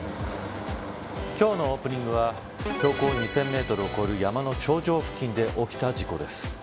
今日のオープニングは標高２０００メートルを超える山の頂上付近で起きた事故です。